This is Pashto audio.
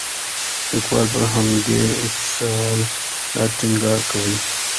لیکوال پر همدې اصالت ټینګار کوي.